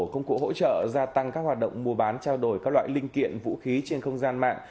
công cụ hỗ trợ gia tăng các hoạt động mua bán trao đổi các loại linh kiện vũ khí trên không gian mạng